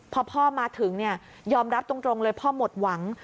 พอพ่อมาถึงยอมรับตรงเลยพ่อหมดหวัง